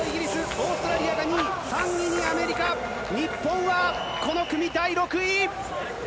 オーストラリアが２位、３位にアメリカ、日本はこの組第６位。